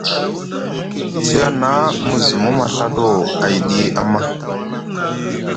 Tiyana mu zumu maɵaɗo ayɗi ama ?